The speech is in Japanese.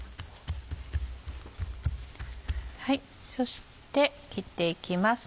そして切っていきます。